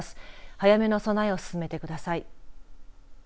早めの備えを進めてください。